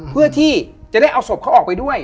เพื่อที่จะได้เอาศพเขาออกไปด้วย